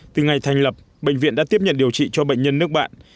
từ ngày thành lập bệnh viện đã tiếp nhận điều trị cho bệnh nhân nước bạn